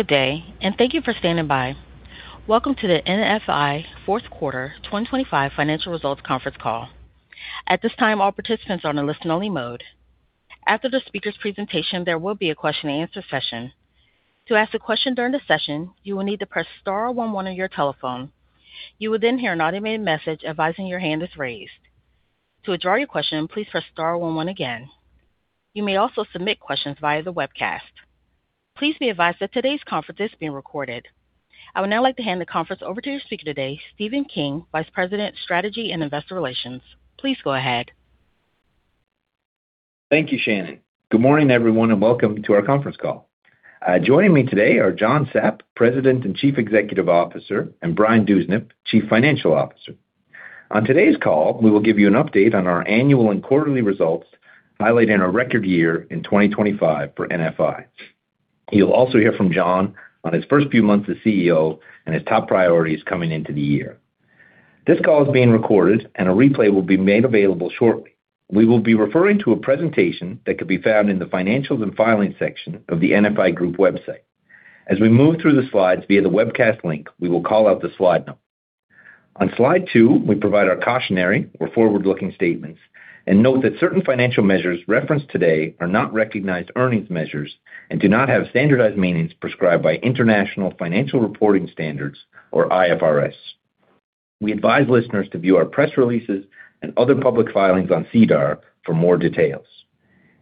Good day, and thank you for standing by. Welcome to the NFI Fourth Quarter 2025 Financial Results Conference Call. At this time, all participants are on a listen only mode. After the speaker's presentation, there will be a question and answer session. To ask a question during the session, you will need to press star one one on your telephone. You will then hear an automated message advising your hand is raised. To withdraw your question, please press star one one again. You may also submit questions via the webcast. Please be advised that today's conference is being recorded. I would now like to hand the conference over to your speaker today, Stephen King, Vice President, Strategy and Investor Relations. Please go ahead. Thank you, Shannon. Good morning, everyone, and welcome to our conference call. Joining me today are John Sapp, President and Chief Executive Officer, and Brian Dewsnup, Chief Financial Officer. On today's call, we will give you an update on our annual and quarterly results, highlighting a record year in 2025 for NFI. You'll also hear from John on his first few months as CEO and his top priorities coming into the year. This call is being recorded and a replay will be made available shortly. We will be referring to a presentation that could be found in the financials and filings section of the NFI Group website. As we move through the slides via the webcast link, we will call out the slide number. On slide 2, we provide our cautionary or forward-looking statements and note that certain financial measures referenced today are not recognized earnings measures and do not have standardized meanings prescribed by International Financial Reporting Standards or IFRS. We advise listeners to view our press releases and other public filings on SEDAR for more details.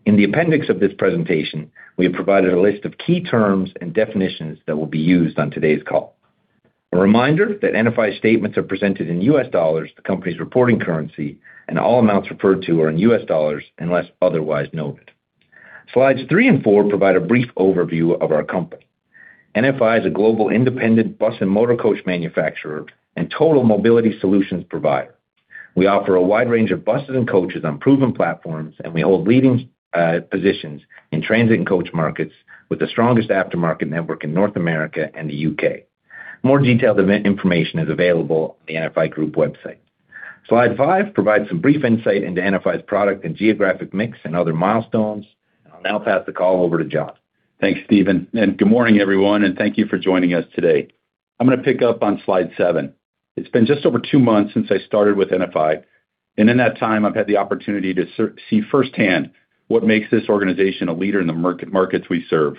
In the appendix of this presentation, we have provided a list of key terms and definitions that will be used on today's call. A reminder that NFI's statements are presented in U.S. dollars, the company's reporting currency, and all amounts referred to are in U.S. dollars unless otherwise noted. Slides 3 and 4 provide a brief overview of our company. NFI is a global independent bus and motor coach manufacturer and total mobility solutions provider. We offer a wide range of buses and coaches on proven platforms, and we hold leading positions in transit and coach markets with the strongest aftermarket network in North America and the U.K.. More detailed information is available on the NFI Group website. Slide 5 provides some brief insight into NFI's product and geographic mix and other milestones. I'll now pass the call over to John. Thanks, Stephen, and good morning everyone, and thank you for joining us today. I'm gonna pick up on slide seven. It's been just over two months since I started with NFI, and in that time, I've had the opportunity to see firsthand what makes this organization a leader in the markets we serve.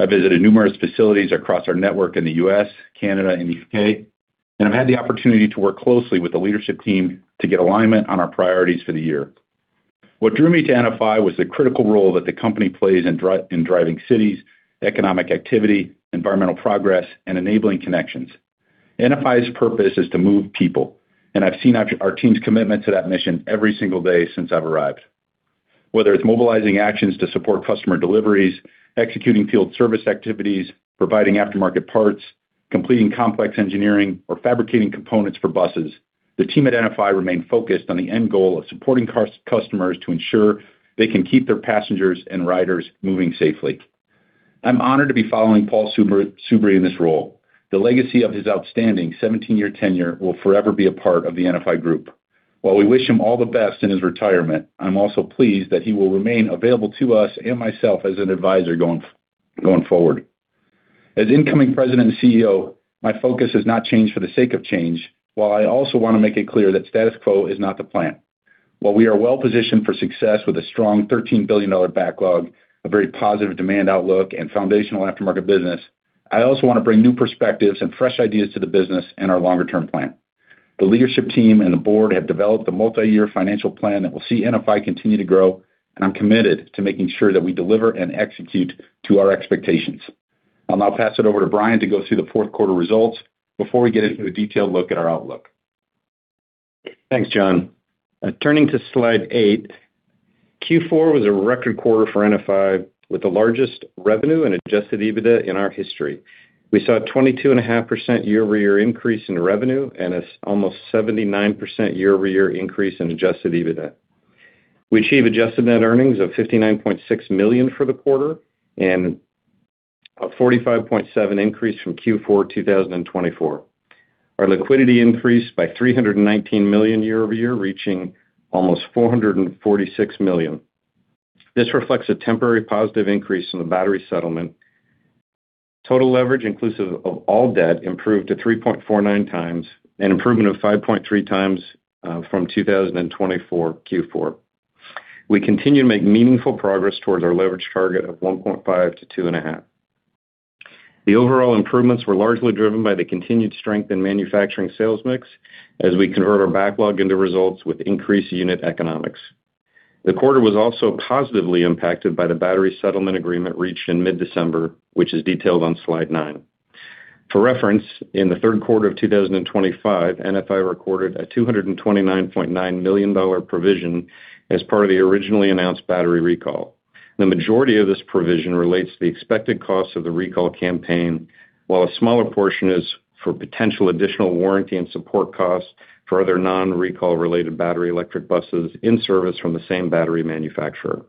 I visited numerous facilities across our network in the U.S., Canada, and U.K., and I've had the opportunity to work closely with the leadership team to get alignment on our priorities for the year. What drew me to NFI was the critical role that the company plays in driving cities, economic activity, environmental progress and enabling connections. NFI's purpose is to move people, and I've seen our team's commitment to that mission every single day since I've arrived. Whether it's mobilizing actions to support customer deliveries, executing field service activities, providing aftermarket parts, completing complex engineering or fabricating components for buses, the team at NFI remain focused on the end goal of supporting customers to ensure they can keep their passengers and riders moving safely. I'm honored to be following Paul Soubry in this role. The legacy of his outstanding 17-year tenure will forever be a part of the NFI Group. While we wish him all the best in his retirement, I'm also pleased that he will remain available to us and myself as an advisor going forward. As incoming President and CEO, my focus has not changed for the sake of change. While I also want to make it clear that status quo is not the plan. While we are well-positioned for success with a strong $13 billion backlog, a very positive demand outlook and foundational aftermarket business, I also want to bring new perspectives and fresh ideas to the business and our longer term plan. The leadership team and the board have developed a multi-year financial plan that will see NFI continue to grow, and I'm committed to making sure that we deliver and execute to our expectations. I'll now pass it over to Brian to go through the fourth quarter results before we get into a detailed look at our outlook. Thanks, John. Turning to slide 8. Q4 was a record quarter for NFI with the largest revenue and adjusted EBITDA in our history. We saw a 22.5% year-over-year increase in revenue and an almost 79% year-over-year increase in adjusted EBITDA. We achieved adjusted net earnings of $59.6 million for the quarter and a 45.7% increase from Q4 2024. Our liquidity increased by $319 million year-over-year, reaching almost $446 million. This reflects a temporary positive increase in the battery settlement. Total leverage inclusive of all debt improved to 3.49x, an improvement of 5.3x from 2024 Q4. We continue to make meaningful progress towards our leverage target of 1.5x-2.5x. The overall improvements were largely driven by the continued strength in manufacturing sales mix as we convert our backlog into results with increased unit economics. The quarter was also positively impacted by the battery settlement agreement reached in mid-December, which is detailed on slide 9. For reference, in the third quarter of 2025, NFI recorded a $229.9 million provision as part of the originally announced battery recall. The majority of this provision relates to the expected cost of the recall campaign, while a smaller portion is for potential additional warranty and support costs for other non-recall related battery electric buses in service from the same battery manufacturer.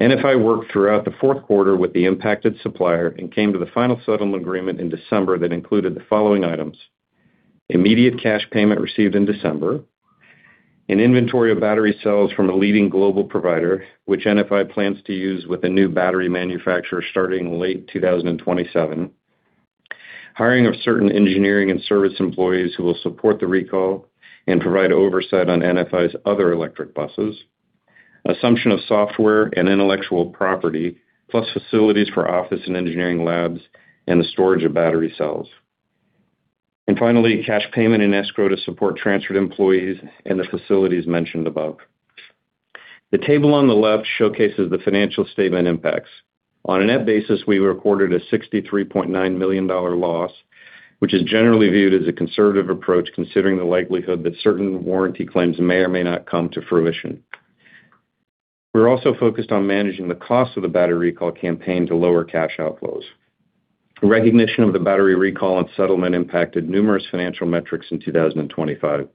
NFI worked throughout the fourth quarter with the impacted supplier and came to the final settlement agreement in December that included the following items. Immediate cash payment received in December. An inventory of battery cells from a leading global provider, which NFI plans to use with a new battery manufacturer starting late 2027. Hiring of certain engineering and service employees who will support the recall and provide oversight on NFI's other electric buses. Assumption of software and intellectual property, plus facilities for office and engineering labs and the storage of battery cells. Finally, cash payment in escrow to support transferred employees and the facilities mentioned above. The table on the left showcases the financial statement impacts. On a net basis, we recorded a $63.9 million loss, which is generally viewed as a conservative approach, considering the likelihood that certain warranty claims may or may not come to fruition. We're also focused on managing the cost of the battery recall campaign to lower cash outflows. Recognition of the battery recall and settlement impacted numerous financial metrics in 2025.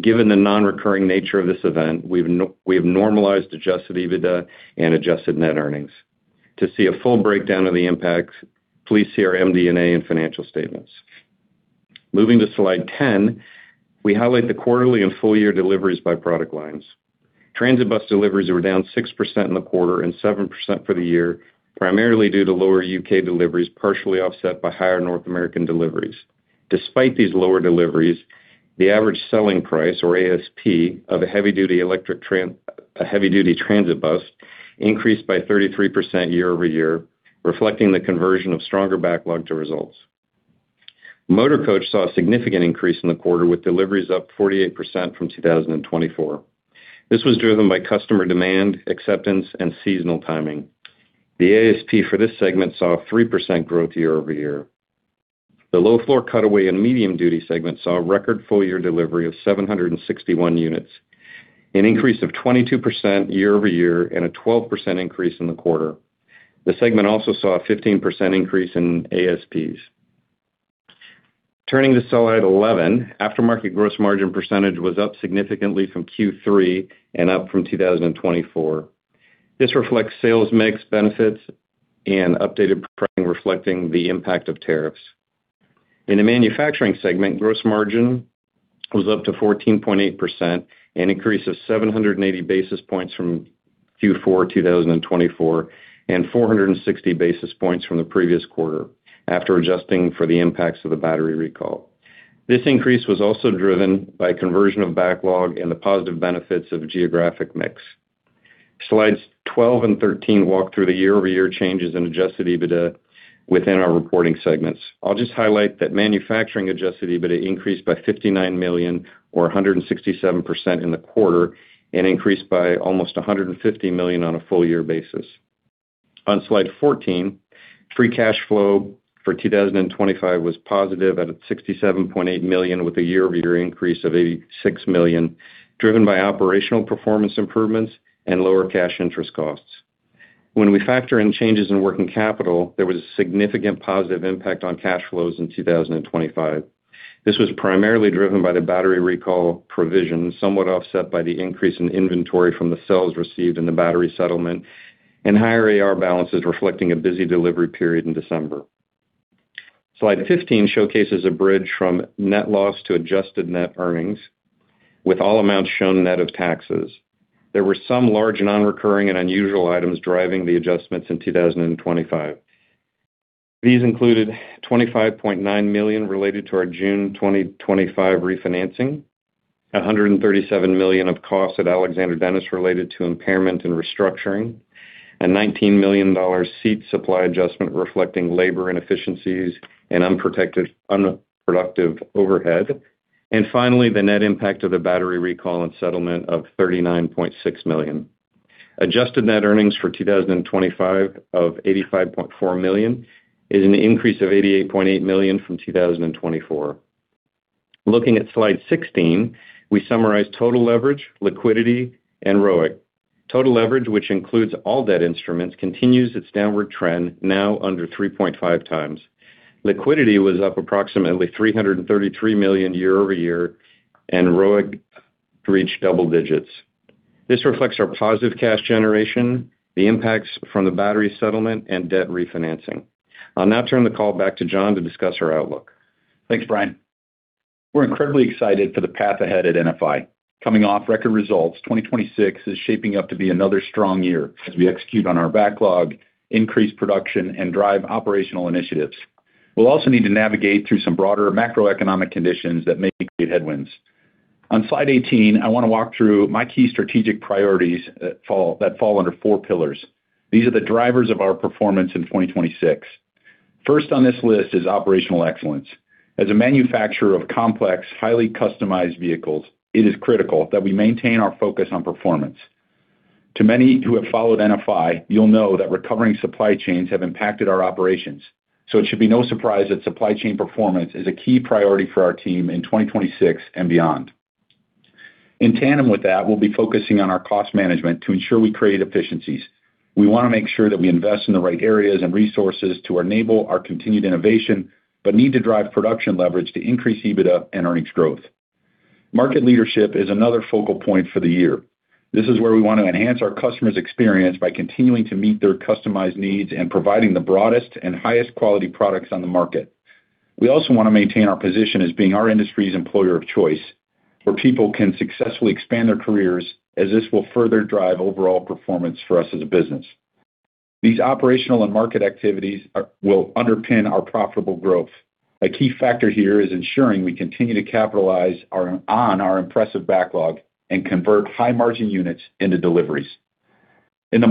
Given the non-recurring nature of this event, we have normalized adjusted EBITDA and adjusted net earnings. To see a full breakdown of the impacts, please see our MD&A and financial statements. Moving to slide 10, we highlight the quarterly and full year deliveries by product lines. Transit bus deliveries were down 6% in the quarter and 7% for the year, primarily due to lower U.K. deliveries, partially offset by higher North American deliveries. Despite these lower deliveries, the average selling price, or ASP, of a heavy-duty transit bus increased by 33% year-over-year, reflecting the conversion of stronger backlog to results. Motor Coach saw a significant increase in the quarter, with deliveries up 48% from 2024. This was driven by customer demand, acceptance, and seasonal timing. The ASP for this segment saw a 3% growth year-over-year. The low-floor cutaway and medium-duty segment saw a record full year delivery of 761 units, an increase of 22% year-over-year and a 12% increase in the quarter. The segment also saw a 15% increase in ASPs. Turning to slide 11, aftermarket gross margin percentage was up significantly from Q3 and up from 2024. This reflects sales mix benefits and updated pricing reflecting the impact of tariffs. In the manufacturing segment, gross margin was up to 14.8%, an increase of 780 basis points from Q4 2024 and 460 basis points from the previous quarter after adjusting for the impacts of the battery recall. This increase was also driven by conversion of backlog and the positive benefits of geographic mix. Slides 12 and 13 walk through the year-over-year changes in adjusted EBITDA within our reporting segments. I'll just highlight that manufacturing adjusted EBITDA increased by $59 million or 167% in the quarter and increased by almost $150 million on a full year basis. On slide 14, free cash flow for 2025 was positive at $67.8 million, with a year-over-year increase of $86 million, driven by operational performance improvements and lower cash interest costs. When we factor in changes in working capital, there was a significant positive impact on cash flows in 2025. This was primarily driven by the battery recall provision, somewhat offset by the increase in inventory from the sales received in the battery settlement and higher AR balances reflecting a busy delivery period in December. Slide 15 showcases a bridge from net loss to adjusted net earnings, with all amounts shown net of taxes. There were some large non-recurring and unusual items driving the adjustments in 2025. These included $25.9 million related to our June 2025 refinancing, $137 million of costs at Alexander Dennis related to impairment and restructuring, a $19 million seat supply adjustment reflecting labor inefficiencies and unproductive overhead, and finally, the net impact of the battery recall and settlement of $39.6 million. Adjusted net earnings for 2025 of $85.4 million is an increase of $88.8 million from 2024. Looking at slide 16, we summarize total leverage, liquidity, and ROIC. Total leverage, which includes all debt instruments, continues its downward trend, now under 3.5x. Liquidity was up approximately $333 million year-over-year, and ROIC reached double digits. This reflects our positive cash generation, the impacts from the battery settlement, and debt refinancing. I'll now turn the call back to John to discuss our outlook. Thanks, Brian. We're incredibly excited for the path ahead at NFI. Coming off record results, 2026 is shaping up to be another strong year as we execute on our backlog, increase production, and drive operational initiatives. We'll also need to navigate through some broader macroeconomic conditions that may create headwinds. On slide 18, I want to walk through my key strategic priorities that fall under four pillars. These are the drivers of our performance in 2026. First on this list is operational excellence. As a manufacturer of complex, highly customized vehicles, it is critical that we maintain our focus on performance. To many who have followed NFI, you'll know that recovering supply chains have impacted our operations, so it should be no surprise that supply chain performance is a key priority for our team in 2026 and beyond. In tandem with that, we'll be focusing on our cost management to ensure we create efficiencies. We want to make sure that we invest in the right areas and resources to enable our continued innovation, but need to drive production leverage to increase EBITDA and earnings growth. Market leadership is another focal point for the year. This is where we want to enhance our customer's experience by continuing to meet their customized needs and providing the broadest and highest quality products on the market. We also want to maintain our position as being our industry's employer of choice, where people can successfully expand their careers as this will further drive overall performance for us as a business. These operational and market activities will underpin our profitable growth. A key factor here is ensuring we continue to capitalize on our impressive backlog and convert high-margin units into deliveries. In the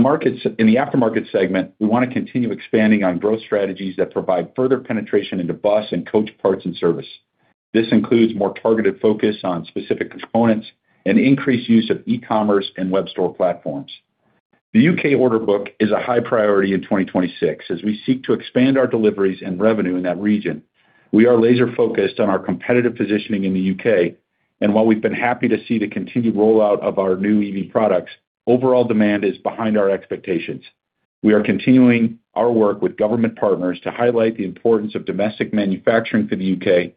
aftermarket segment, we want to continue expanding on growth strategies that provide further penetration into bus and coach parts and service. This includes more targeted focus on specific components and increased use of e-commerce and web store platforms. The U.K. order book is a high priority in 2026 as we seek to expand our deliveries and revenue in that region. We are laser-focused on our competitive positioning in the U.K., and while we've been happy to see the continued rollout of our new EV products, overall demand is behind our expectations. We are continuing our work with government partners to highlight the importance of domestic manufacturing for the U.K.,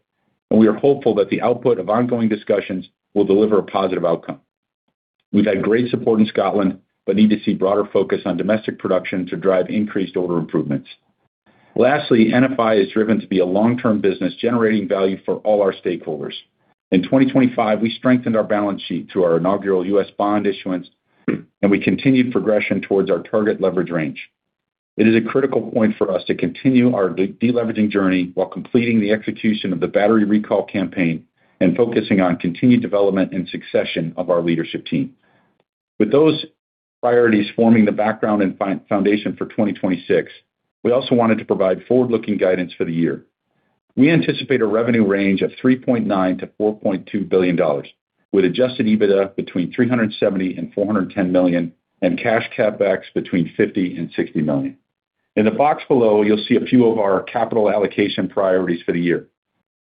and we are hopeful that the output of ongoing discussions will deliver a positive outcome. We've had great support in Scotland, but need to see broader focus on domestic production to drive increased order improvements. Lastly, NFI is driven to be a long-term business generating value for all our stakeholders. In 2025, we strengthened our balance sheet through our inaugural U.S. bond issuance, and we continued progression towards our target leverage range. It is a critical point for us to continue our de-deleveraging journey while completing the execution of the battery recall campaign and focusing on continued development and succession of our leadership team. With those priorities forming the background and foundation for 2026, we also wanted to provide forward-looking guidance for the year. We anticipate a revenue range of $3.9 billion-$4.2 billion with adjusted EBITDA between $370 million-$410 million and cash CapEx between $50 million-$60 million. In the box below, you'll see a few of our capital allocation priorities for the year.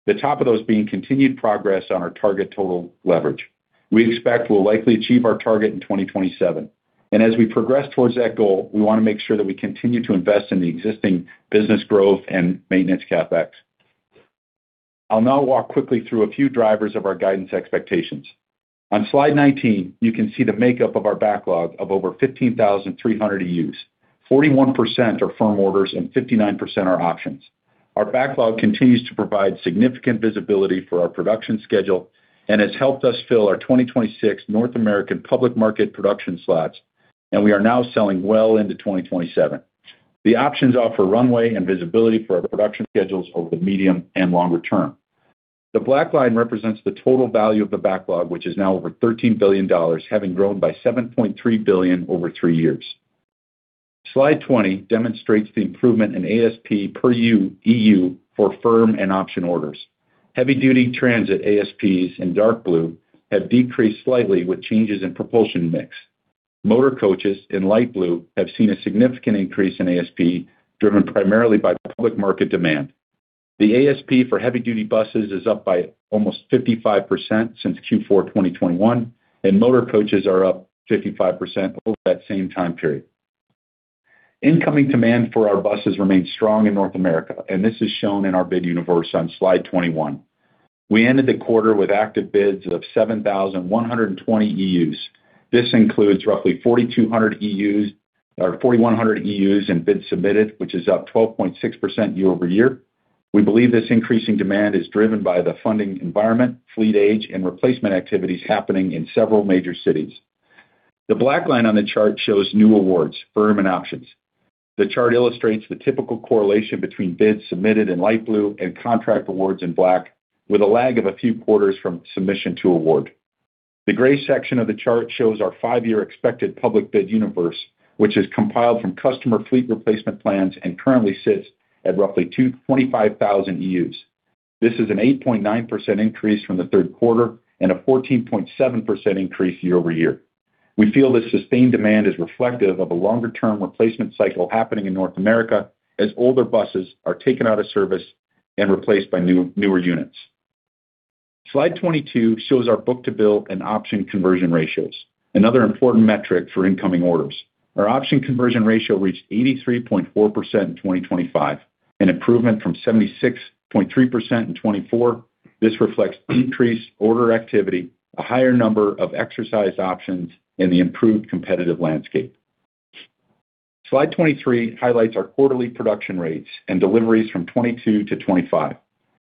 The top of those being continued progress on our target total leverage. We expect we'll likely achieve our target in 2027. As we progress towards that goal, we want to make sure that we continue to invest in the existing business growth and maintenance CapEx. I'll now walk quickly through a few drivers of our guidance expectations. On slide 19, you can see the makeup of our backlog of over 15,300 EUs. 41% are firm orders and 59% are options. Our backlog continues to provide significant visibility for our production schedule and has helped us fill our 2026 North American public market production slots, and we are now selling well into 2027. The options offer runway and visibility for our production schedules over the medium and longer term. The black line represents the total value of the backlog, which is now over $13 billion, having grown by $7.3 billion over three years. Slide 20 demonstrates the improvement in ASP per EU for firm and option orders. Heavy-duty transit ASPs in dark blue have decreased slightly with changes in propulsion mix. Motor coaches in light blue have seen a significant increase in ASP, driven primarily by public market demand. The ASP for heavy-duty buses is up by almost 55% since Q4 2021, and motor coaches are up 55% over that same time period. Incoming demand for our buses remains strong in North America, and this is shown in our bid universe on Slide 21. We ended the quarter with active bids of 7,120 EUs. This includes roughly 4,200 EUs or 4,100 EUs in bids submitted, which is up 12.6% year-over-year. We believe this increasing demand is driven by the funding environment, fleet age, and replacement activities happening in several major cities. The black line on the chart shows new awards, firm, and options. The chart illustrates the typical correlation between bids submitted in light blue and contract awards in black with a lag of a few quarters from submission to award. The gray section of the chart shows our five-year expected public bid universe, which is compiled from customer fleet replacement plans and currently sits at roughly 25,000 EUs. This is an 8.9% increase from the third quarter and a 14.7% increase year-over-year. We feel this sustained demand is reflective of a longer-term replacement cycle happening in North America as older buses are taken out of service and replaced by newer units. Slide 22 shows our book-to-bill and option conversion ratios, another important metric for incoming orders. Our option conversion ratio reached 83.4% in 2025, an improvement from 76.3% in 2024. This reflects increased order activity, a higher number of exercise options, and the improved competitive landscape. Slide 23 highlights our quarterly production rates and deliveries from 2022 to 2025.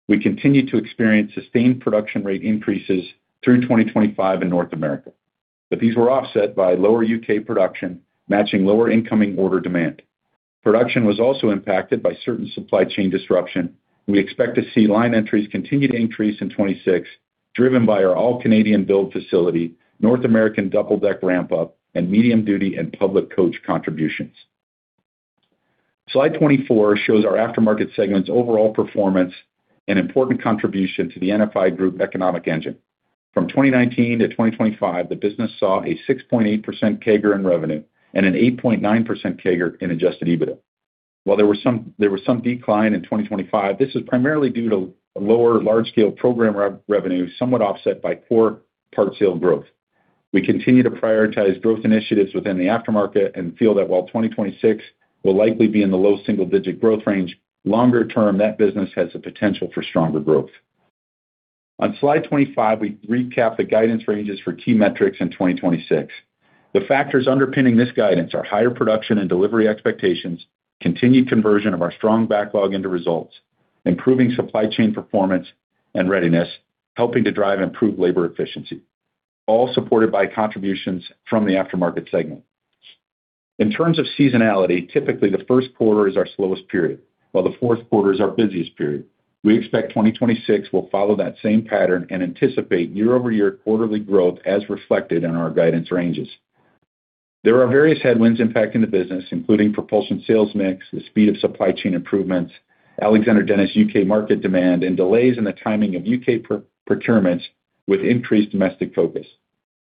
We continued to experience sustained production rate increases through 2025 in North America, but these were offset by lower U.K. production, matching lower incoming order demand. Production was also impacted by certain supply chain disruption. We expect to see line entries continue to increase in 2026, driven by our All-Canadian Build facility, North American double-deck ramp-up, and medium-duty and motor coach contributions. Slide 24 shows our aftermarket segment's overall performance and important contribution to the NFI Group economic engine. From 2019 to 2025, the business saw a 6.8% CAGR in revenue and an 8.9% CAGR in adjusted EBITDA. While there was some decline in 2025, this is primarily due to a lower large-scale program revenue, somewhat offset by parts sales growth. We continue to prioritize growth initiatives within the aftermarket and feel that while 2026 will likely be in the low single-digit growth range, longer term, that business has the potential for stronger growth. On slide 25, we recap the guidance ranges for key metrics in 2026. The factors underpinning this guidance are higher production and delivery expectations, continued conversion of our strong backlog into results, improving supply chain performance and readiness, helping to drive improved labor efficiency, all supported by contributions from the aftermarket segment. In terms of seasonality, typically the first quarter is our slowest period, while the fourth quarter is our busiest period. We expect 2026 will follow that same pattern and anticipate year-over-year quarterly growth as reflected in our guidance ranges. There are various headwinds impacting the business, including propulsion sales mix, the speed of supply chain improvements, Alexander Dennis U.K. market demand, and delays in the timing of U.K. procurements with increased domestic focus.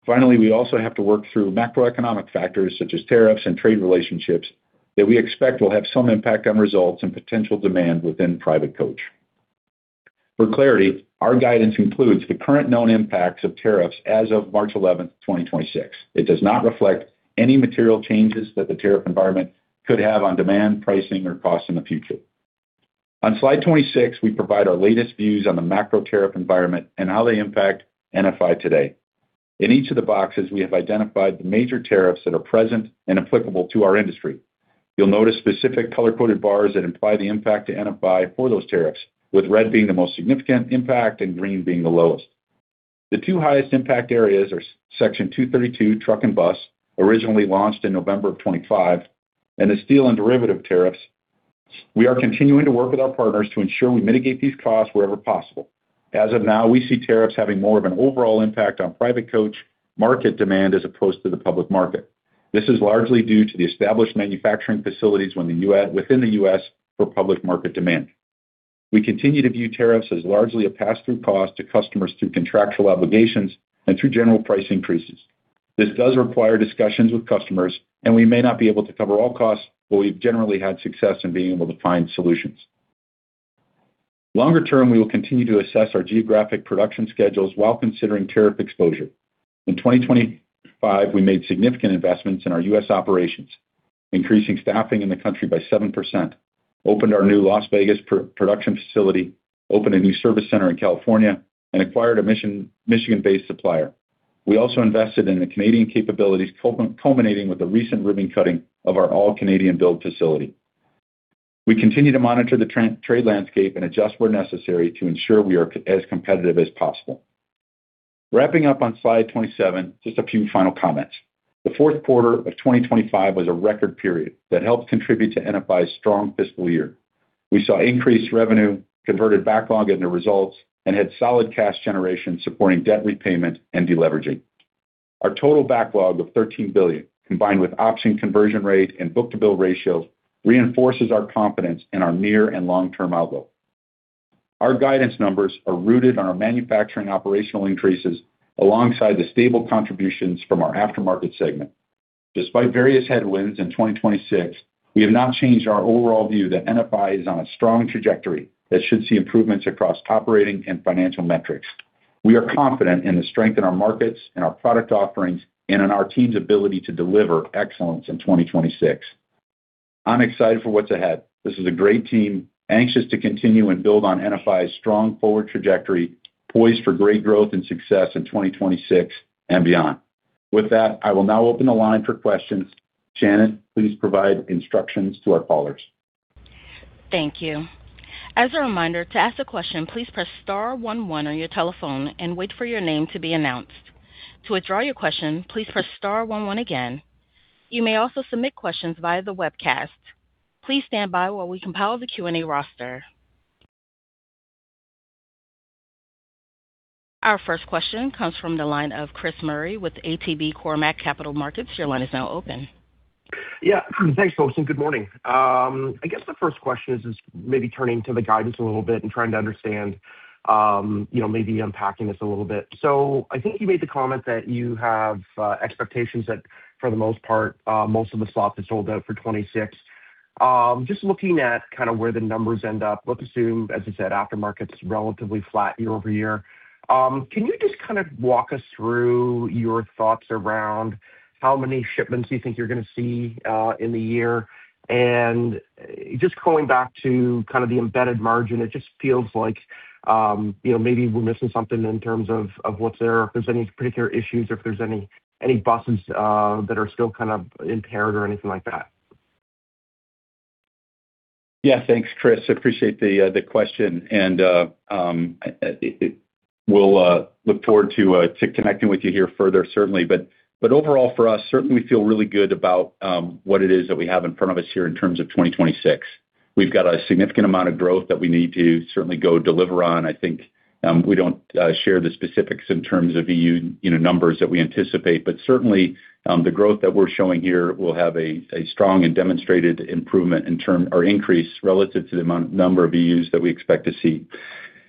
Finally, we also have to work through macroeconomic factors such as tariffs and trade relationships that we expect will have some impact on results and potential demand within private coach. For clarity, our guidance includes the current known impacts of tariffs as of March 11, 2026. It does not reflect any material changes that the tariff environment could have on demand, pricing, or cost in the future. On slide 26, we provide our latest views on the macro tariff environment and how they impact NFI today. In each of the boxes, we have identified the major tariffs that are present and applicable to our industry. You'll notice specific color-coded bars that imply the impact to NFI for those tariffs, with red being the most significant impact and green being the lowest. The two highest impact areas are Section 232 truck and bus, originally launched in November 2025, and the steel and derivative tariffs. We are continuing to work with our partners to ensure we mitigate these costs wherever possible. As of now, we see tariffs having more of an overall impact on private coach market demand as opposed to the public market. This is largely due to the established manufacturing facilities within the U.S. for public market demand. We continue to view tariffs as largely a pass-through cost to customers through contractual obligations and through general price increases. This does require discussions with customers, and we may not be able to cover all costs, but we've generally had success in being able to find solutions. Longer term, we will continue to assess our geographic production schedules while considering tariff exposure. In 2025, we made significant investments in our U.S. operations, increasing staffing in the country by 7%, opened our new Las Vegas pre-production facility, opened a new service center in California, and acquired a Michigan-based supplier. We also invested in the Canadian capabilities culminating with the recent ribbon cutting of our All-Canadian Build facility. We continue to monitor the trade landscape and adjust where necessary to ensure we are as competitive as possible. Wrapping up on slide 27, just a few final comments. The fourth quarter of 2025 was a record period that helped contribute to NFI's strong fiscal year. We saw increased revenue, converted backlog into results, and had solid cash generation supporting debt repayment and deleveraging. Our total backlog of $13 billion, combined with option conversion rate and book-to-bill ratios, reinforces our confidence in our near and long-term outlook. Our guidance numbers are rooted on our manufacturing operational increases alongside the stable contributions from our aftermarket segment. Despite various headwinds in 2026, we have not changed our overall view that NFI is on a strong trajectory that should see improvements across operating and financial metrics. We are confident in the strength in our markets and our product offerings and in our team's ability to deliver excellence in 2026. I'm excited for what's ahead. This is a great team, anxious to continue and build on NFI's strong forward trajectory, poised for great growth and success in 2026 and beyond. With that, I will now open the line for questions. Shannon, please provide instructions to our callers. Thank you. As a reminder, to ask a question, please press star one one on your telephone and wait for your name to be announced. To withdraw your question, please press star one one again. You may also submit questions via the webcast. Please stand by while we compile the Q&A roster. Our first question comes from the line of Chris Murray with ATB Capital Markets. Your line is now open. Yeah. Thanks, folks, and good morning. I guess the first question is maybe turning to the guidance a little bit and trying to understand, you know, maybe unpacking this a little bit. I think you made the comment that you have expectations that for the most part, most of the slot is sold out for 2026. Just looking at kind of where the numbers end up, let's assume, as you said, aftermarket's relatively flat year-over-year. Can you just kind of walk us through your thoughts around how many shipments you think you're gonna see in the year? Just going back to kind of the embedded margin, it just feels like, you know, maybe we're missing something in terms of what's there, if there's any particular issues or if there's any buses that are still kind of impaired or anything like that. Yeah. Thanks, Chris. I appreciate the question and we'll look forward to connecting with you here further certainly. Overall for us, certainly we feel really good about what it is that we have in front of us here in terms of 2026. We've got a significant amount of growth that we need to certainly go deliver on. I think we don't share the specifics in terms of EU, you know, numbers that we anticipate, but certainly the growth that we're showing here will have a strong and demonstrated improvement or increase relative to the number of EUs that we expect to see.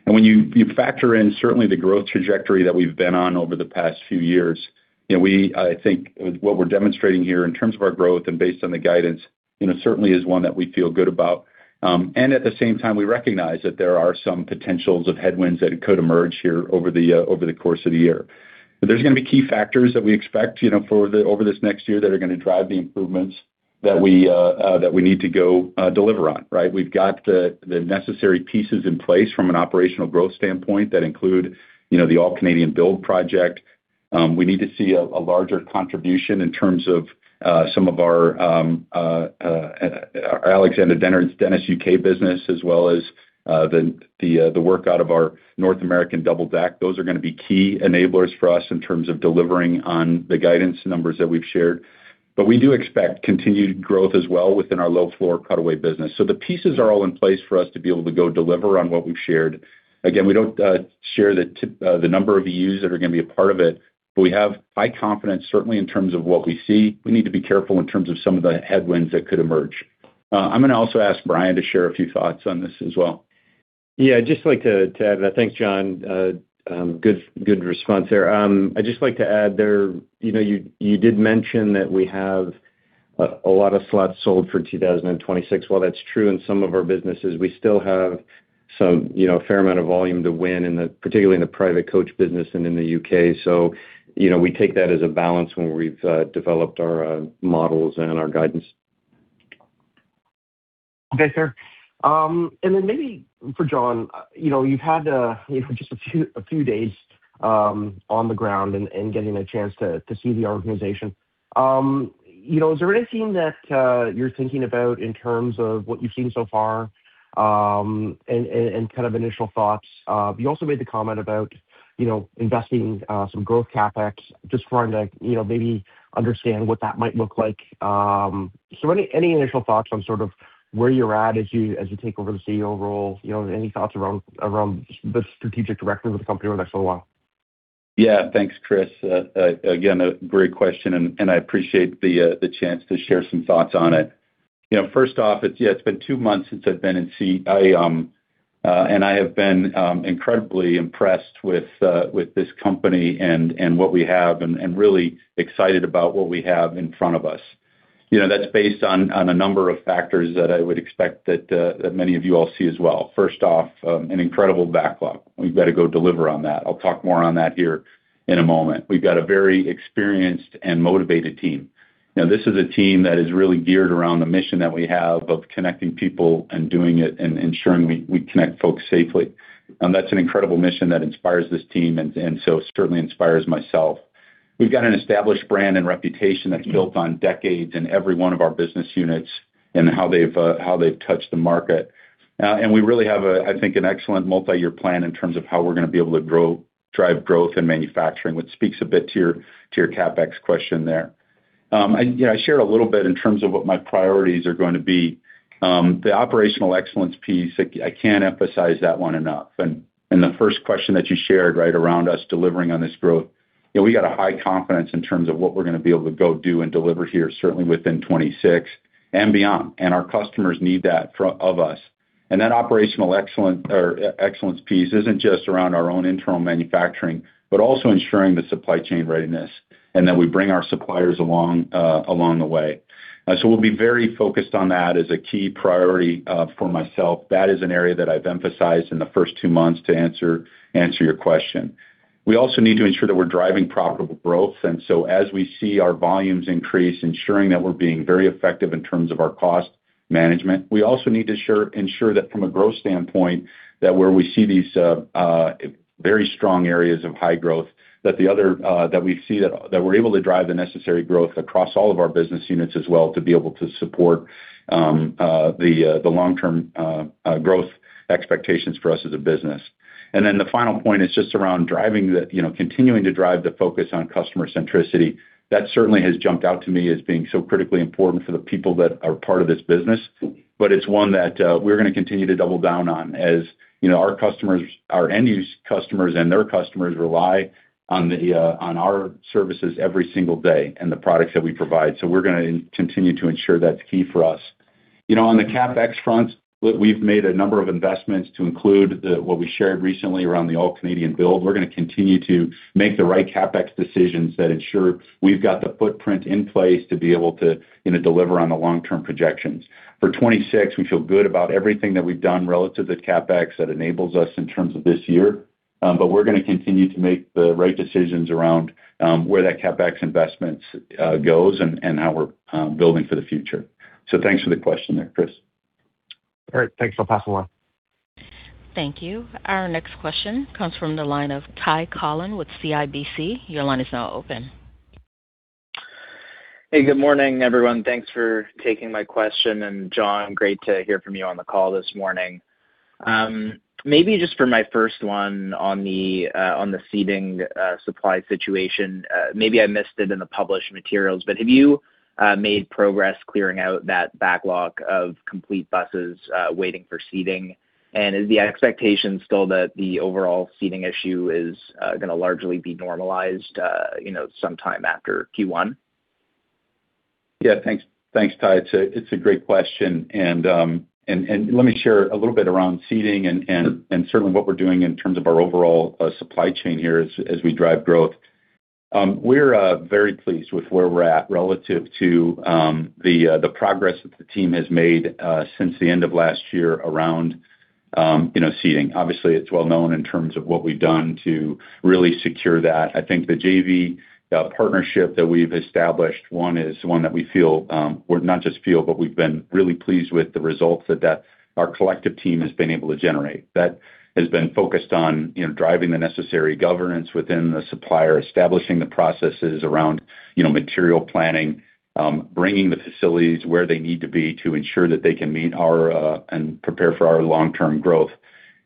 When you factor in certainly the growth trajectory that we've been on over the past few years, you know, I think what we're demonstrating here in terms of our growth and based on the guidance, you know, certainly is one that we feel good about. At the same time, we recognize that there are some potential headwinds that could emerge here over the course of the year. There's gonna be key factors that we expect, you know, over this next year that are gonna drive the improvements that we need to deliver on, right? We've got the necessary pieces in place from an operational growth standpoint that include, you know, the All-Canadian Build project. We need to see a larger contribution in terms of some of our Alexander Dennis U.K. business as well as the work out of our North American double-deck. Those are gonna be key enablers for us in terms of delivering on the guidance numbers that we've shared. We do expect continued growth as well within our low-floor cutaway business. The pieces are all in place for us to be able to go deliver on what we've shared. Again, we don't share the number of EUs that are gonna be a part of it, but we have high confidence, certainly in terms of what we see. We need to be careful in terms of some of the headwinds that could emerge. I'm gonna also ask Brian to share a few thoughts on this as well. Yeah, I'd just like to add. Thanks, John. Good response there. I'd just like to add there, you know, you did mention that we have a lot of slots sold for 2026. While that's true in some of our businesses, we still have some, you know, a fair amount of volume to win, particularly in the private coach business and in the U.K.. You know, we take that as a balance when we've developed our models and our guidance. Okay, fair. Maybe for John, you know, you've had just a few days on the ground and getting a chance to see the organization. You know, is there anything that you're thinking about in terms of what you've seen so far and kind of initial thoughts? You also made the comment about, you know, investing some growth CapEx, just trying to, you know, maybe understand what that might look like. Any initial thoughts on sort of where you're at as you take over the CEO role? You know, any thoughts around the strategic direction of the company over the next little while? Yeah. Thanks, Chris. Again, a great question, and I appreciate the chance to share some thoughts on it. You know, first off, it's been two months since I've been, and I have been incredibly impressed with this company and what we have and really excited about what we have in front of us. You know, that's based on a number of factors that I would expect that many of you all see as well. First off, an incredible backlog. We've got to go deliver on that. I'll talk more on that here in a moment. We've got a very experienced and motivated team. Now, this is a team that is really geared around the mission that we have of connecting people and doing it and ensuring we connect folks safely. That's an incredible mission that inspires this team and so certainly inspires myself. We've got an established brand and reputation that's built on decades in every one of our business units and how they've touched the market. We really have, I think, an excellent multiyear plan in terms of how we're gonna be able to drive growth in manufacturing, which speaks a bit to your CapEx question there. You know, I shared a little bit in terms of what my priorities are going to be. The operational excellence piece, I can't emphasize that one enough. The first question that you shared, right, around us delivering on this growth, you know, we got a high confidence in terms of what we're gonna be able to go do and deliver here, certainly within 2026 and beyond. Our customers need that from us. That operational excellence piece isn't just around our own internal manufacturing, but also ensuring the supply chain readiness and that we bring our suppliers along the way. We'll be very focused on that as a key priority for myself. That is an area that I've emphasized in the first two months to answer your question. We also need to ensure that we're driving profitable growth. As we see our volumes increase, ensuring that we're being very effective in terms of our cost management. We also need to ensure that from a growth standpoint, that where we see these very strong areas of high growth, that we're able to drive the necessary growth across all of our business units as well to be able to support the long-term growth expectations for us as a business. Then the final point is just around driving the, you know, continuing to drive the focus on customer centricity. That certainly has jumped out to me as being so critically important for the people that are part of this business. It's one that we're gonna continue to double down on. As, you know, our customers, our end use customers and their customers rely on the on our services every single day and the products that we provide. We're gonna continue to ensure that's key for us. You know, on the CapEx front, we've made a number of investments to include the, what we shared recently around the All-Canadian Build. We're gonna continue to make the right CapEx decisions that ensure we've got the footprint in place to be able to, you know, deliver on the long-term projections. For 2026, we feel good about everything that we've done relative to CapEx that enables us in terms of this year. But we're gonna continue to make the right decisions around where that CapEx investment goes and how we're building for the future. Thanks for the question there, Chris. All right. Thanks. I'll pass along. Thank you. Our next question comes from the line of Ty Collin with CIBC. Your line is now open. Hey, good morning, everyone. Thanks for taking my question. John, great to hear from you on the call this morning. Maybe just for my first one on the seating supply situation, maybe I missed it in the published materials, but have you made progress clearing out that backlog of complete buses waiting for seating? Is the expectation still that the overall seating issue is gonna largely be normalized, you know, sometime after Q1? Yeah. Thanks. Thanks, Ty. It's a great question. Let me share a little bit around seating and certainly what we're doing in terms of our overall supply chain here as we drive growth. We're very pleased with where we're at relative to the progress that the team has made since the end of last year around, you know, seating. Obviously, it's well known in terms of what we've done to really secure that. I think the JV partnership that we've established, one is one that we feel, or not just feel, but we've been really pleased with the results that our collective team has been able to generate. That has been focused on, you know, driving the necessary governance within the supplier, establishing the processes around, you know, material planning, bringing the facilities where they need to be to ensure that they can meet our, and prepare for our long-term growth.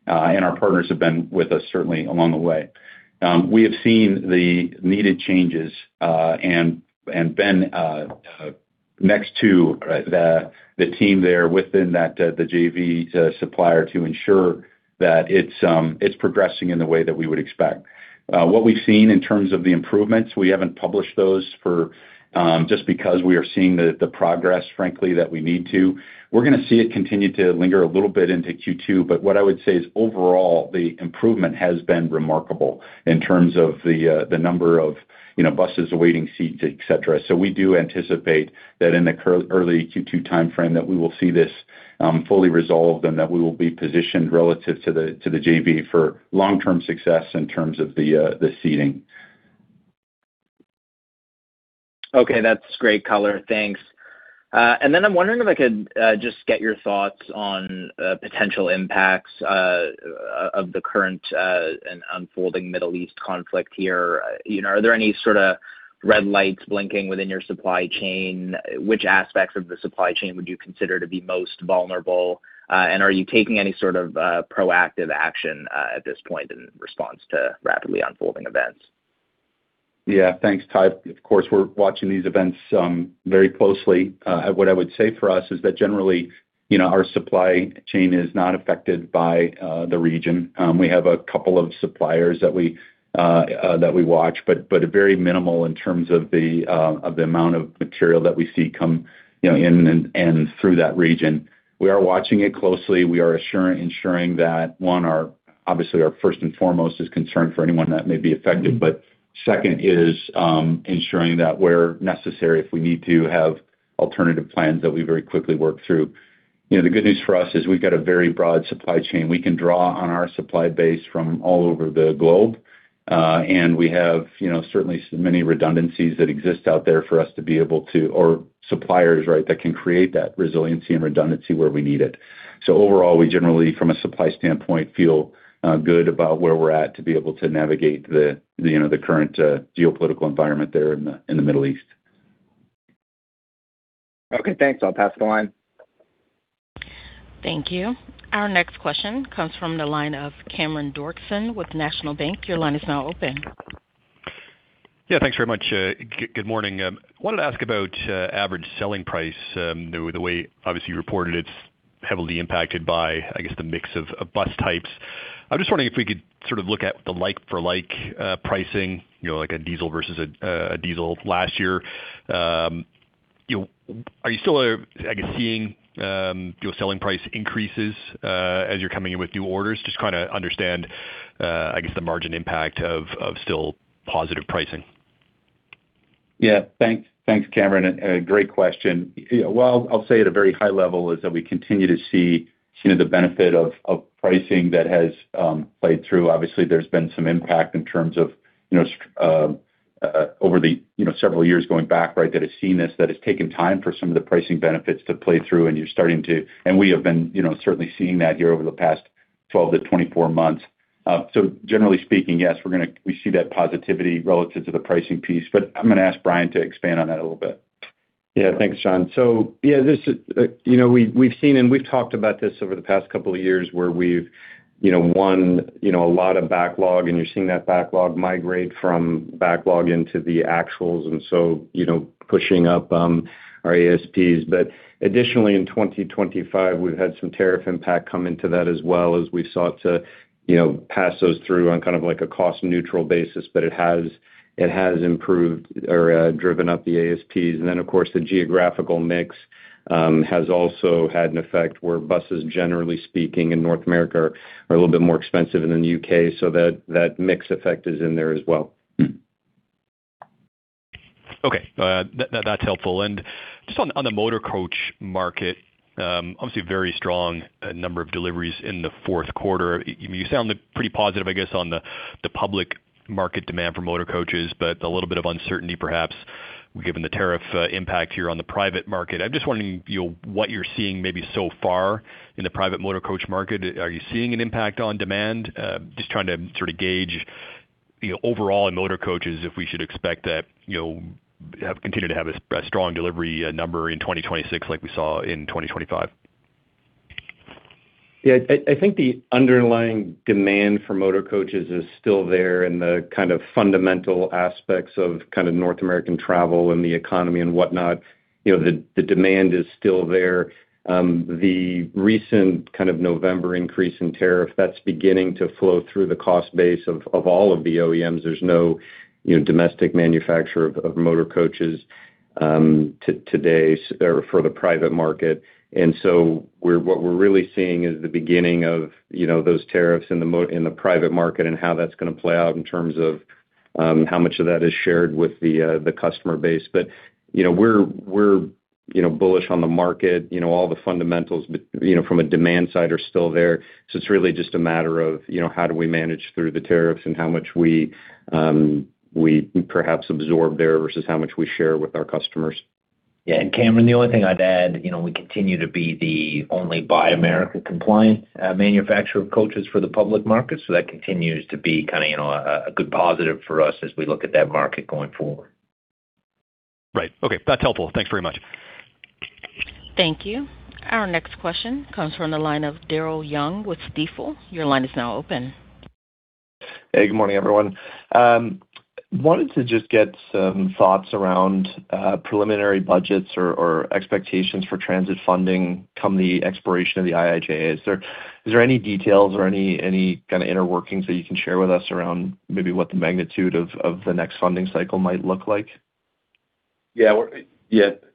Our partners have been with us certainly along the way. We have seen the needed changes, and been next to the team there within that, the JV supplier to ensure that it's progressing in the way that we would expect. What we've seen in terms of the improvements, we haven't published those for just because we are seeing the progress, frankly, that we need to. We're gonna see it continue to linger a little bit into Q2. What I would say is, overall, the improvement has been remarkable in terms of the number of, you know, buses awaiting seats, et cetera. We do anticipate that in the early Q2 timeframe that we will see this fully resolved and that we will be positioned relative to the JV for long-term success in terms of the seating. Okay. That's great color. Thanks. I'm wondering if I could just get your thoughts on potential impacts of the current and unfolding Middle East conflict here. You know, are there any sorta red lights blinking within your supply chain? Which aspects of the supply chain would you consider to be most vulnerable? Are you taking any sort of proactive action at this point in response to rapidly unfolding events? Yeah. Thanks, Ty. Of course, we're watching these events very closely. What I would say for us is that generally, you know, our supply chain is not affected by the region. We have a couple of suppliers that we watch, but a very minimal in terms of the amount of material that we see come, you know, in and through that region. We are watching it closely. We are ensuring that, one, obviously, our first and foremost is concern for anyone that may be affected. Second is ensuring that where necessary, if we need to have alternative plans, that we very quickly work through. You know, the good news for us is we've got a very broad supply chain. We can draw on our supply base from all over the globe, and we have, you know, certainly so many redundancies that exist out there for us or suppliers, right, that can create that resiliency and redundancy where we need it. Overall, we generally, from a supply standpoint, feel good about where we're at to be able to navigate the, you know, the current geopolitical environment there in the Middle East. Okay, thanks. I'll pass the line. Thank you. Our next question comes from the line of Cameron Doerksen with National Bank Financial. Your line is now open. Yeah, thanks very much. Good morning. Wanted to ask about average selling price. The way obviously you reported it's heavily impacted by, I guess, the mix of bus types. I'm just wondering if we could sort of look at the like-for-like pricing, you know, like a diesel versus a diesel last year. You know, are you still seeing your selling price increases as you're coming in with new orders? Just trying to understand the margin impact of still positive pricing. Yeah. Thanks, Cameron. A great question. Yeah, well, I'll say at a very high level is that we continue to see, you know, the benefit of pricing that has played through. Obviously, there's been some impact in terms of, you know, over the several years going back, right, that has taken time for some of the pricing benefits to play through, and we have been, you know, certainly seeing that here over the past 12-24 months. Generally speaking, yes, we see that positivity relative to the pricing piece, but I'm gonna ask Brian to expand on that a little bit. Yeah. Thanks, John. Yeah, this is, you know, we've seen and we've talked about this over the past couple of years where we've, you know, won, you know, a lot of backlog, and you're seeing that backlog migrate from backlog into the actuals, and so, you know, pushing up our ASPs. Additionally, in 2025, we've had some tariff impact come into that as well as we've sought to, you know, pass those through on kind of like a cost neutral basis, but it has improved or driven up the ASPs. Then, of course, the geographical mix has also had an effect where buses, generally speaking in North America, are a little bit more expensive than in the U.K., so that mix effect is in there as well. Okay. That's helpful. Just on the motor coach market, obviously very strong number of deliveries in the fourth quarter. You sound pretty positive, I guess, on the public market demand for motor coaches, but a little bit of uncertainty perhaps given the tariff impact here on the private market. I'm just wondering, you know, what you're seeing maybe so far in the private motor coach market. Are you seeing an impact on demand? Just trying to sort of gauge, you know, overall in motor coaches, if we should expect that, you know, continue to have a strong delivery number in 2026 like we saw in 2025? Yeah. I think the underlying demand for motor coaches is still there in the kind of fundamental aspects of kind of North American travel and the economy and whatnot. You know, the demand is still there. The recent kind of November increase in tariff, that's beginning to flow through the cost base of all of the OEMs. There's no, you know, domestic manufacturer of motor coaches. Today's order for the private market. What we're really seeing is the beginning of, you know, those tariffs in the private market and how that's gonna play out in terms of how much of that is shared with the customer base. You know, we're bullish on the market. You know, all the fundamentals, you know, from a demand side are still there. It's really just a matter of, you know, how do we manage through the tariffs and how much we perhaps absorb there versus how much we share with our customers. Yeah. Cameron, the only thing I'd add, you know, we continue to be the only Buy America compliant manufacturer of coaches for the public market. That continues to be kind of, you know, a good positive for us as we look at that market going forward. Right. Okay. That's helpful. Thanks very much. Thank you. Our next question comes from the line of Daryl Young with Stifel. Your line is now open. Hey, good morning, everyone. Wanted to just get some thoughts around preliminary budgets or expectations for transit funding come the expiration of the IIJA. Is there any details or any kind of inner workings that you can share with us around maybe what the magnitude of the next funding cycle might look like? Yeah.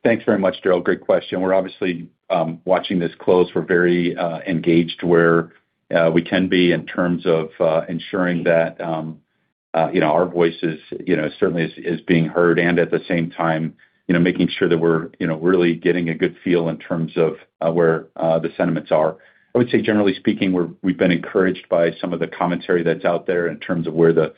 Thanks very much, Daryl. Great question. We're obviously watching this closely. We're very engaged where we can be in terms of ensuring that you know, our voice is you know, certainly being heard, and at the same time, you know, making sure that we're you know, really getting a good feel in terms of where the sentiments are. I would say generally speaking, we've been encouraged by some of the commentary that's out there in terms of where the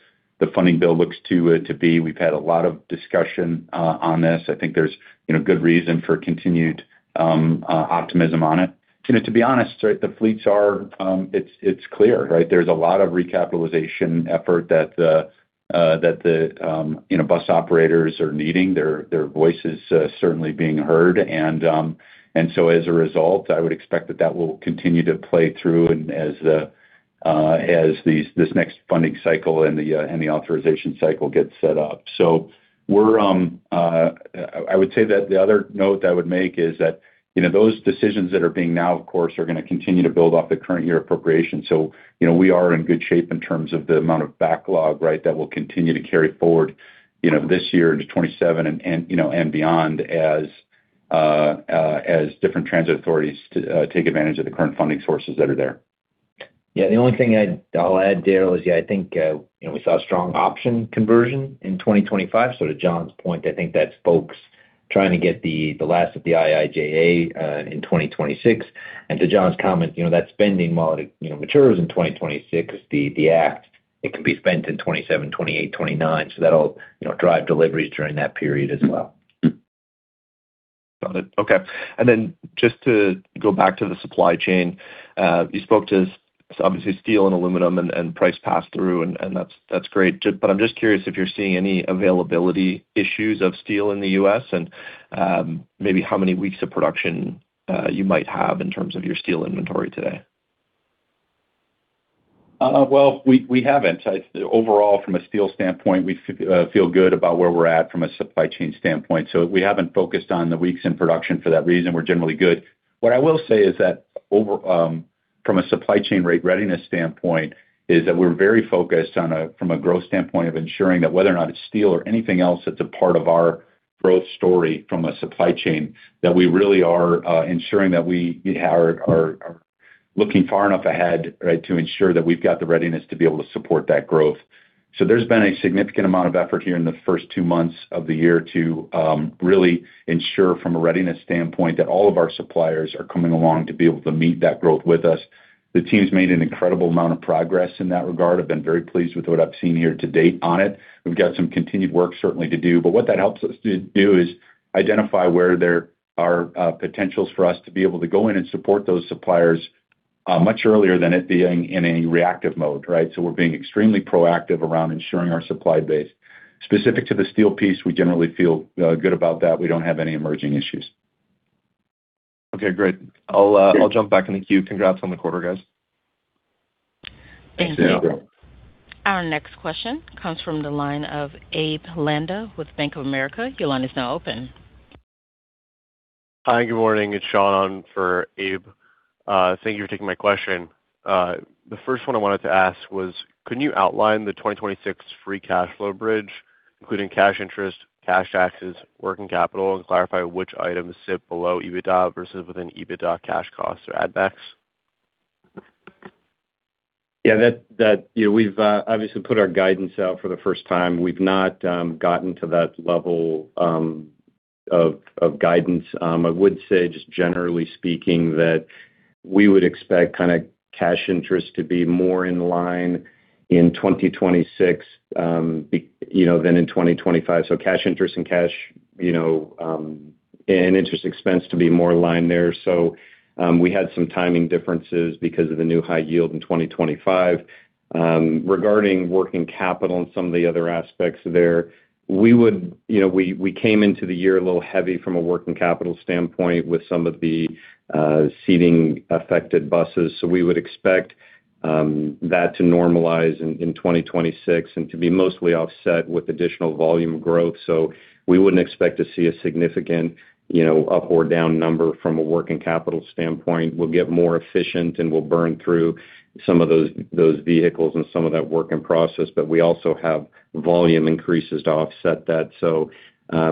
funding bill looks to be. We've had a lot of discussion on this. I think there's you know, good reason for continued optimism on it. You know, to be honest, right, the fleets are, it's clear, right? There's a lot of recapitalization effort that the you know, bus operators are needing. Their voice is certainly being heard. As a result, I would expect that will continue to play through and as this next funding cycle and the authorization cycle gets set up. I would say that the other note I would make is that, you know, those decisions that are being made now, of course, are gonna continue to build off the current year appropriation. You know, we are in good shape in terms of the amount of backlog, right, that will continue to carry forward, you know, this year into 2027 and, you know, and beyond as different transit authorities take advantage of the current funding sources that are there. Yeah. The only thing I'll add, Daryl, is, yeah, I think, you know, we saw a strong option conversion in 2025. To John's point, I think that's folks trying to get the last of the IIJA in 2026. To John's comment, you know, that spending, while it, you know, matures in 2026, the act, it can be spent in 2027, 2028, 2029, so that'll, you know, drive deliveries during that period as well. Got it. Okay. Just to go back to the supply chain, you spoke to so obviously steel and aluminum and price pass-through, and that's great. I'm just curious if you're seeing any availability issues of steel in the U.S. and maybe how many weeks of production you might have in terms of your steel inventory today. Well, we haven't. Overall, from a steel standpoint, we feel good about where we're at from a supply chain standpoint. We haven't focused on the weeks in production for that reason. We're generally good. What I will say is that from a supply chain readiness standpoint, we're very focused on, from a growth standpoint, ensuring that whether or not it's steel or anything else that's a part of our growth story from a supply chain, that we really are ensuring that we are looking far enough ahead, right, to ensure that we've got the readiness to be able to support that growth. There's been a significant amount of effort here in the first two months of the year to really ensure from a readiness standpoint that all of our suppliers are coming along to be able to meet that growth with us. The team's made an incredible amount of progress in that regard. I've been very pleased with what I've seen here to date on it. We've got some continued work certainly to do. But what that helps us to do is identify where there are potentials for us to be able to go in and support those suppliers much earlier than it being in a reactive mode, right? We're being extremely proactive around ensuring our supply base. Specific to the steel piece, we generally feel good about that. We don't have any emerging issues. Okay, great. I'll jump back in the queue. Congrats on the quarter, guys. Thank you. Our next question comes from the line of Abe Landa with Bank of America. Your line is now open. Hi, good morning. It's Shaun for Abe. Thank you for taking my question. The first one I wanted to ask was, can you outline the 2026 free cash flow bridge, including cash interest, cash taxes, working capital, and clarify which items sit below EBITDA versus within EBITDA cash costs or add backs? Yeah, that you know we've obviously put our guidance out for the first time. We've not gotten to that level of guidance. I would say, just generally speaking, that we would expect kinda cash interest to be more in line in 2026, you know, than in 2025. Cash interest and interest expense to be more in line there. We had some timing differences because of the new high-yield in 2025. Regarding working capital and some of the other aspects there, we would, you know, we came into the year a little heavy from a working capital standpoint with some of the seating-affected buses. We would expect that to normalize in 2026 and to be mostly offset with additional volume growth. We wouldn't expect to see a significant, you know, up or down number from a working capital standpoint. We'll get more efficient, and we'll burn through some of those vehicles and some of that work in process, but we also have volume increases to offset that.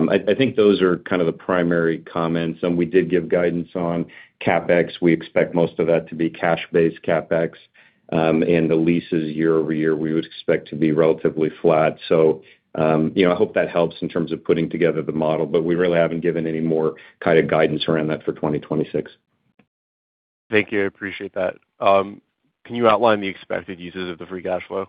I think those are kind of the primary comments. We did give guidance on CapEx. We expect most of that to be cash-based CapEx. The leases year-over-year, we would expect to be relatively flat. You know, I hope that helps in terms of putting together the model, but we really haven't given any more kind of guidance around that for 2026. Thank you. I appreciate that. Can you outline the expected uses of the free cash flow?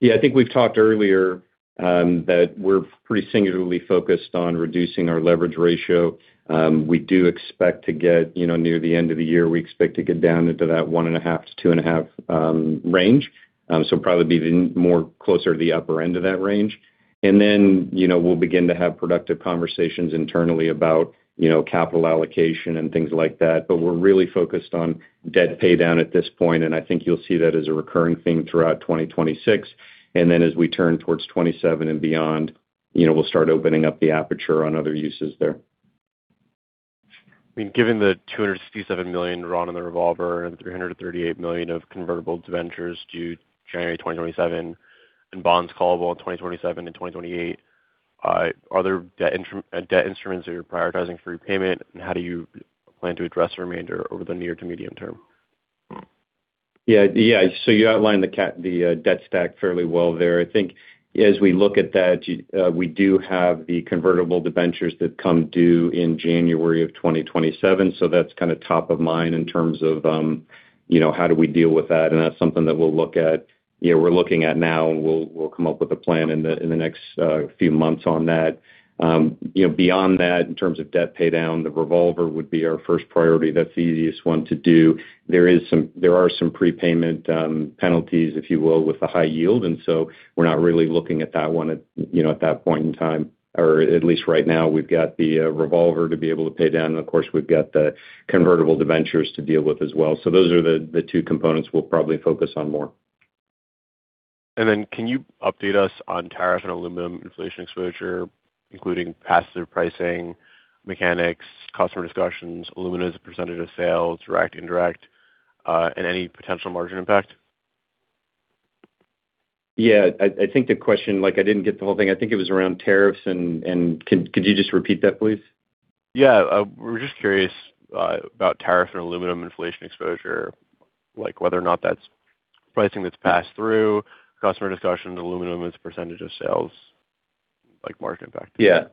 Yeah. I think we've talked earlier that we're pretty singularly focused on reducing our leverage ratio. We do expect to get down into that 1.5-2.5 range, you know, near the end of the year. Probably be even more closer to the upper end of that range. We'll begin to have productive conversations internally about, you know, capital allocation and things like that. We're really focused on debt pay down at this point, and I think you'll see that as a recurring theme throughout 2026. As we turn towards 2027 and beyond, you know, we'll start opening up the aperture on other uses there. I mean, given the $267 million drawn in the revolver and the $338 million of Convertible Debentures due January 2027 and bonds callable in 2027 and 2028, are there debt instruments that you're prioritizing for repayment, and how do you plan to address the remainder over the near to medium term? Yeah. Yeah. You outlined the debt stack fairly well there. I think as we look at that, we do have the Convertible Debentures that come due in January 2027, so that's kind of top of mind in terms of, you know, how do we deal with that. That's something that we'll look at. You know, we're looking at now, and we'll come up with a plan in the next few months on that. You know, beyond that, in terms of debt pay down, the revolver would be our first priority. That's the easiest one to do. There are some prepayment penalties, if you will, with the high-yield, and so we're not really looking at that one at, you know, at that point in time. At least right now we've got the revolver to be able to pay down, and of course, we've got the Convertible Debentures to deal with as well. Those are the two components we'll probably focus on more. Can you update us on tariffs and aluminum inflation exposure, including pass-through pricing, mechanics, customer discussions, aluminum as a percentage of sales, direct, indirect, and any potential margin impact? Yeah. I think the question. Like, I didn't get the whole thing. I think it was around tariffs. Can you just repeat that, please? Yeah. We're just curious about tariff and aluminum inflation exposure, like whether or not that's pricing that's passed through, customer discussion, aluminum as a percentage of sales, like margin impact. Yeah.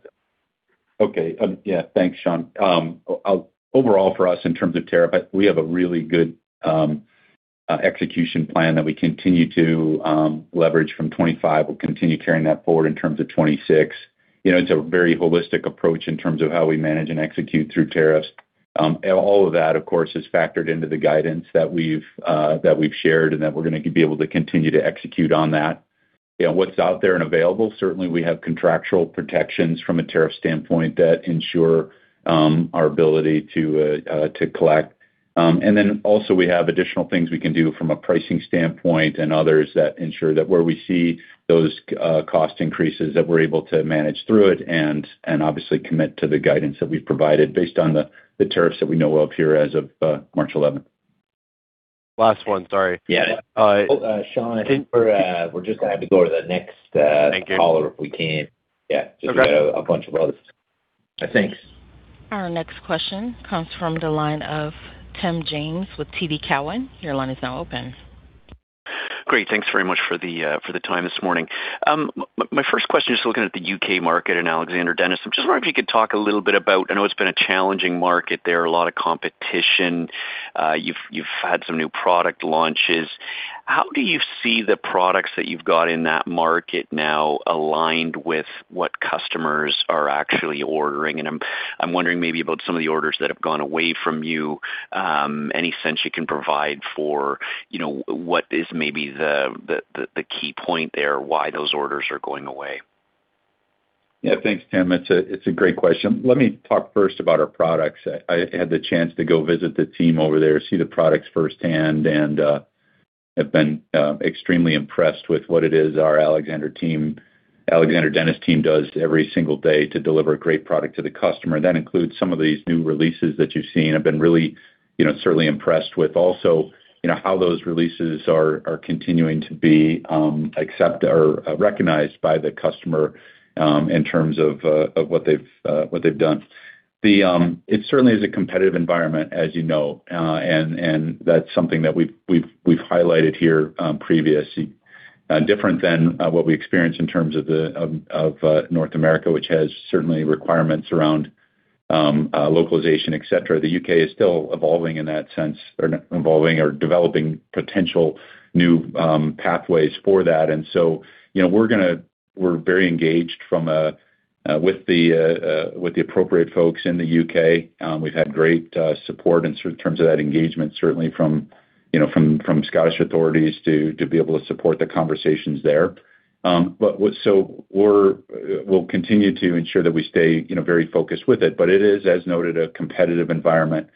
Okay. Thanks, Shaun. Overall for us in terms of tariff, we have a really good execution plan that we continue to leverage from 2025. We'll continue carrying that forward in terms of 2026. You know, it's a very holistic approach in terms of how we manage and execute through tariffs. All of that, of course, is factored into the guidance that we've shared and that we're gonna be able to continue to execute on that. You know, what's out there and available, certainly we have contractual protections from a tariff standpoint that ensure our ability to collect. We have additional things we can do from a pricing standpoint and others that ensure that where we see those cost increases that we're able to manage through it and obviously commit to the guidance that we've provided based on the tariffs that we know will appear as of March 11th. Last one. Sorry. Yeah. Shaun, I think we're just gonna have to go to the next. Thank you. Caller if we can. Yeah. Okay. Just got a bunch of others. Thanks. Our next question comes from the line of Tim James with TD Cowen. Your line is now open. Great. Thanks very much for the time this morning. My first question is looking at the U.K. market and Alexander Dennis. I'm just wondering if you could talk a little bit about, I know it's been a challenging market there, a lot of competition. You've had some new product launches. How do you see the products that you've got in that market now aligned with what customers are actually ordering? And I'm wondering maybe about some of the orders that have gone away from you. Any sense you can provide for, you know, what is maybe the key point there why those orders are going away? Yeah. Thanks, Tim. It's a great question. Let me talk first about our products. I had the chance to go visit the team over there, see the products firsthand, and have been extremely impressed with what it is our Alexander Dennis team does every single day to deliver a great product to the customer. That includes some of these new releases that you've seen. I've been really, you know, certainly impressed with also, you know, how those releases are continuing to be accepted or recognized by the customer in terms of what they've done. It certainly is a competitive environment, as you know, and that's something that we've highlighted here previously. Different than what we experience in terms of the of North America, which has certainly requirements around localization, et cetera. The U.K. is still evolving in that sense or developing potential new pathways for that. You know, we're gonna we're very engaged with the appropriate folks in the U.K.. We've had great support in terms of that engagement, certainly from you know, from Scottish authorities to be able to support the conversations there. We'll continue to ensure that we stay you know, very focused with it. It is, as noted, a competitive environment.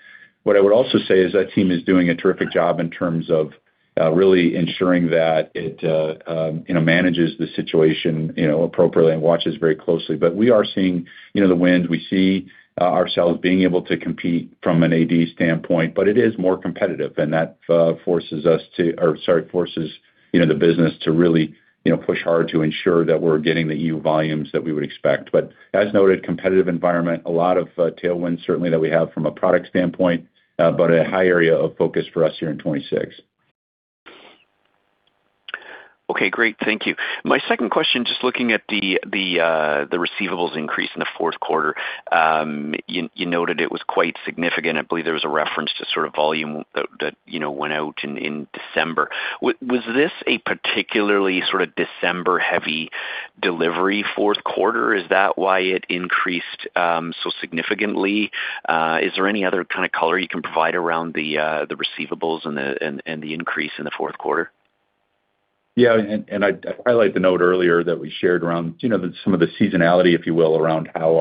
What I would also say is that team is doing a terrific job in terms of really ensuring that it you know manages the situation you know appropriately and watches very closely. We are seeing, you know, the wins. We see ourselves being able to compete from an AD standpoint, but it is more competitive, and that forces the business to really you know push hard to ensure that we're getting the EU volumes that we would expect. As noted, competitive environment, a lot of tailwinds certainly that we have from a product standpoint, but a high area of focus for us here in 2026. Okay, great. Thank you. My second question, just looking at the receivables increase in the fourth quarter, you noted it was quite significant. I believe there was a reference to sort of volume that you know went out in December. Was this a particularly sort of December-heavy delivery fourth quarter? Is that why it increased so significantly? Is there any other kind of color you can provide around the receivables and the increase in the fourth quarter? Yeah, I highlight the note earlier that we shared around, you know, some of the seasonality, if you will, around how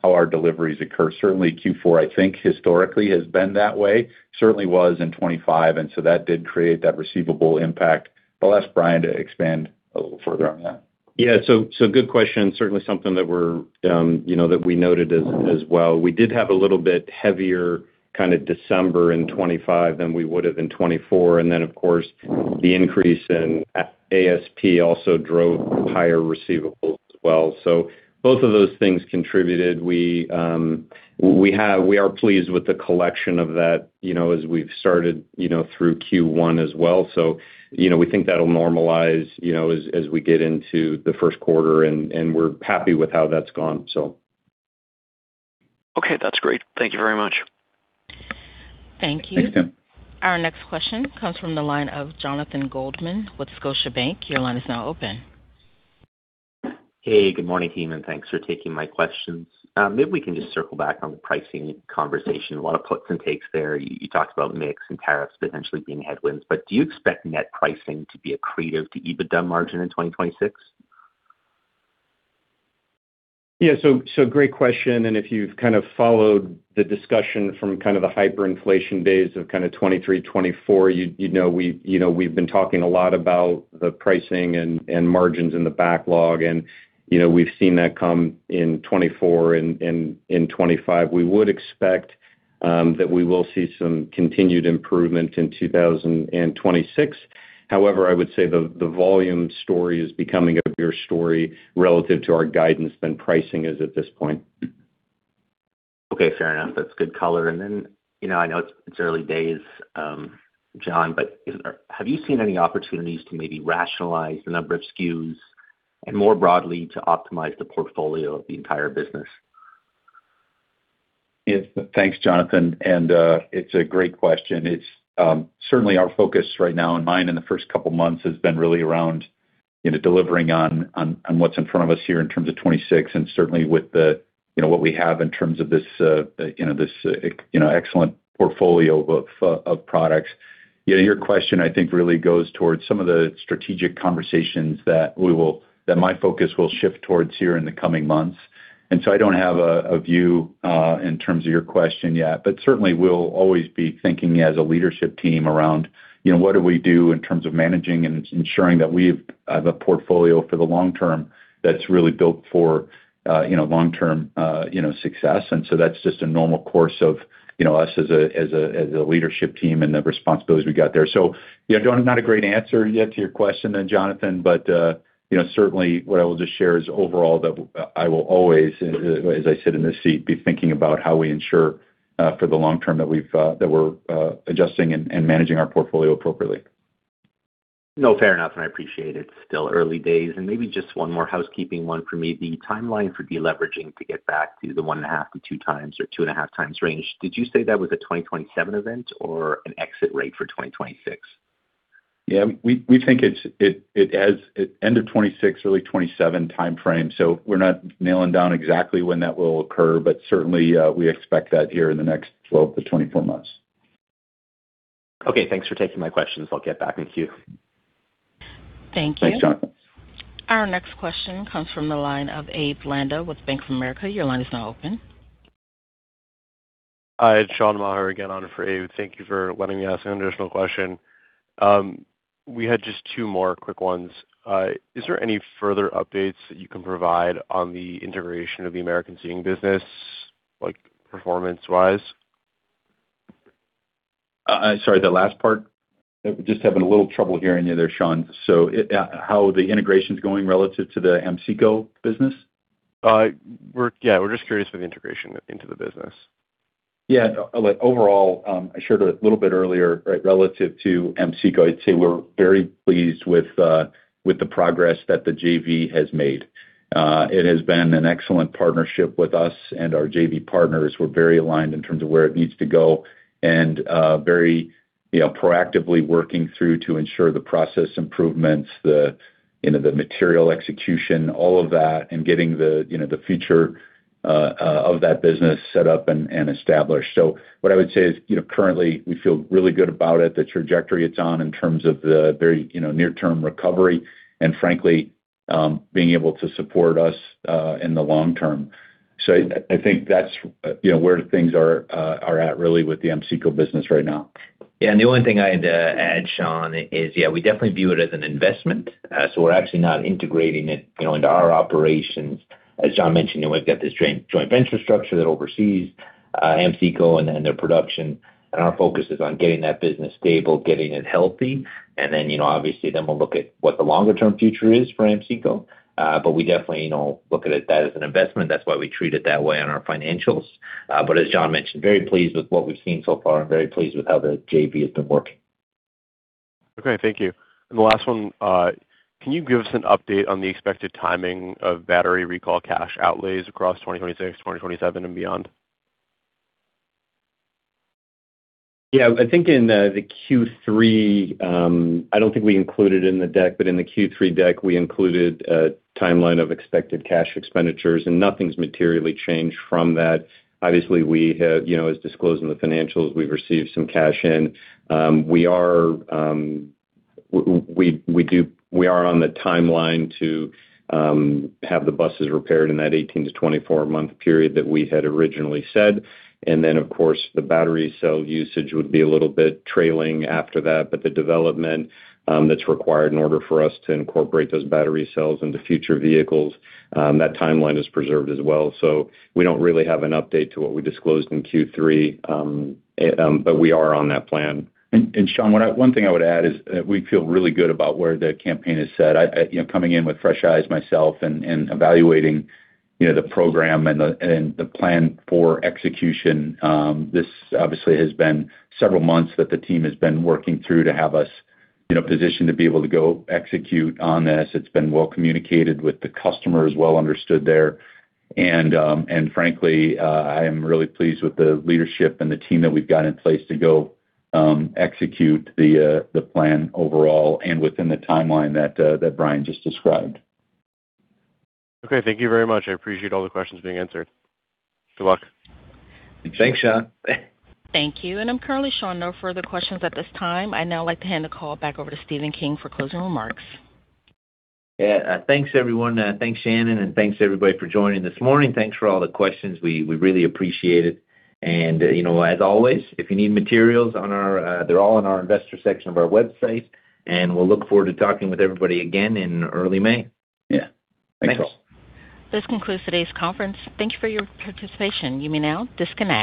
our deliveries occur. Certainly Q4, I think historically has been that way. Certainly was in 2025, so that did create that receivable impact. I'll ask Brian to expand a little further on that. Yeah. Good question. Certainly something that we're, you know, that we noted as well. We did have a little bit heavier kind of December in 2025 than we would've in 2024. Then of course, the increase in ASP also drove higher receivables as well. Both of those things contributed. We are pleased with the collection of that, you know, as we've started, you know, through Q1 as well. You know, we think that'll normalize, you know, as we get into the first quarter and we're happy with how that's gone. Okay. That's great. Thank you very much. Thank you. Thanks, Tim. Our next question comes from the line of Jonathan Goldman with Scotiabank. Your line is now open. Hey, good morning, team, and thanks for taking my questions. Maybe we can just circle back on the pricing conversation. A lot of puts and takes there. You talked about mix and tariffs potentially being headwinds, but do you expect net pricing to be accretive to EBITDA margin in 2026? Great question, and if you've kind of followed the discussion from kind of the hyperinflation days of kind of 2023, 2024, you'd know we've, you know, been talking a lot about the pricing and margins in the backlog, and, you know, we've seen that come in 2024 and in 2025. We would expect that we will see some continued improvement in 2026. However, I would say the volume story is becoming a bigger story relative to our guidance than pricing is at this point. Okay. Fair enough. That's good color. You know, I know it's early days, John, but have you seen any opportunities to maybe rationalize the number of SKUs and more broadly to optimize the portfolio of the entire business? Yeah. Thanks, Jonathan. It's a great question. It's certainly our focus right now and mine in the first couple months has been really around, you know, delivering on what's in front of us here in terms of 2026 and certainly with the, you know, what we have in terms of this, you know, excellent portfolio of products. You know, your question I think really goes towards some of the strategic conversations that my focus will shift towards here in the coming months. I don't have a view in terms of your question yet, but certainly we'll always be thinking as a leadership team around, you know, what do we do in terms of managing and ensuring that we have a portfolio for the long term that's really built for, you know, long-term success. That's just a normal course of, you know, us as a leadership team and the responsibilities we got there. Yeah, Jon, not a great answer yet to your question then, Jonathan, but, you know, certainly what I will just share is overall that I will always, as I sit in this seat, be thinking about how we ensure for the long term that we've, that we're adjusting and managing our portfolio appropriately. No, fair enough, and I appreciate it's still early days. Maybe just one more housekeeping one for me. The timeline for deleveraging to get back to the 1.5x-2x or 2.5x range, did you say that was a 2027 event or an exit rate for 2026? Yeah. We think it has end of 2026, early 2027 timeframe. We're not nailing down exactly when that will occur. Certainly, we expect that here in the next 12-24 months. Okay. Thanks for taking my questions. I'll get back in queue. Thank you. Thanks, Jonathan. Our next question comes from the line of Abe Landa with Bank of America. Your line is now open. Hi, it's Shaun Maher again on for Abe. Thank you for letting me ask an additional question. We had just two more quick ones. Is there any further updates that you can provide on the integration of the American Seating business, like performance-wise? Sorry, the last part? Just having a little trouble hearing you there, Shaun. How the integration's going relative to the AmSeCo business? We're just curious for the integration into the business. Yeah. Like, overall, I shared a little bit earlier, right? Relative to AmSeCo, I'd say we're very pleased with the progress that the JV has made. It has been an excellent partnership with us and our JV partners. We're very aligned in terms of where it needs to go and very, you know, proactively working through to ensure the process improvements, the, you know, the material execution, all of that, and getting the, you know, the future of that business set up and established. What I would say is, you know, currently we feel really good about it, the trajectory it's on in terms of the very, you know, near term recovery and frankly, being able to support us in the long term. I think that's, you know, where things are at really with the AmSeCo business right now. Yeah. The only thing I'd add, Shaun, is, yeah, we definitely view it as an investment. We're actually not integrating it, you know, into our operations. As John mentioned, you know, we've got this joint venture structure that oversees AmSeCo and their production. Our focus is on getting that business stable, getting it healthy. Then, you know, obviously then we'll look at what the longer term future is for AmSeCo. We definitely, you know, look at it that as an investment. That's why we treat it that way on our financials. As John mentioned, very pleased with what we've seen so far and very pleased with how the JV has been working. Okay. Thank you. The last one, can you give us an update on the expected timing of battery recall cash outlays across 2026, 2027 and beyond? Yeah. I think in the Q3, I don't think we included in the deck, but in the Q3 deck, we included a timeline of expected cash expenditures, and nothing's materially changed from that. Obviously, we have, you know, as disclosed in the financials, we've received some cash in. We are on the timeline to have the buses repaired in that 18-24 month period that we had originally said. Then, of course, the battery cell usage would be a little bit trailing after that. The development that's required in order for us to incorporate those battery cells into future vehicles, that timeline is preserved as well. We don't really have an update to what we disclosed in Q3. We are on that plan. Shaun, one thing I would add is, we feel really good about where the campaign is set. You know, coming in with fresh eyes myself and evaluating, you know, the program and the plan for execution, this obviously has been several months that the team has been working through to have us, you know, positioned to be able to go execute on this. It's been well communicated with the customers, well understood there. Frankly, I am really pleased with the leadership and the team that we've got in place to go execute the plan overall and within the timeline that Brian just described. Okay, thank you very much. I appreciate all the questions being answered. Good luck. Thanks, Shaun. Thank you. I'm currently showing no further questions at this time. I'd now like to hand the call back over to Stephen King for closing remarks. Yeah. Thanks, everyone. Thanks, Shannon, and thanks everybody for joining this morning. Thanks for all the questions. We really appreciate it. You know, as always, if you need materials on our, they're all on our investor section of our website, and we'll look forward to talking with everybody again in early May. Yeah. Thanks. This concludes today's conference. Thank you for your participation. You may now disconnect.